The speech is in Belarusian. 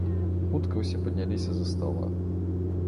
Хутка ўсе падняліся з-за стала.